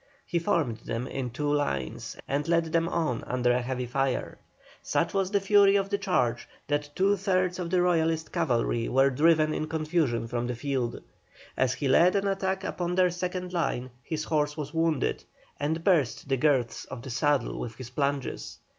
He formed them in two lines and led them on under a heavy fire. Such was the fury of the charge that two thirds of the Royalist cavalry were driven in confusion from the field. As he led an attack upon their second line his horse was wounded, and burst the girths of the saddle with his plunges.